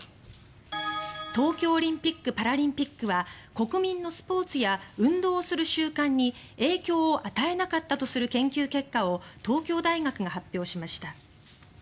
東京オリンピック・パラリンピックは国民のスポーツや運動する瞬間に影響を与えなかったとする研究結果を東京大学が発表しました。